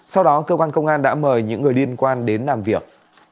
sau đó cơ quan công an đã mời những người liên quan đến làm việc